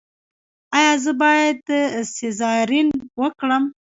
ایا زه باید سیزارین وکړم؟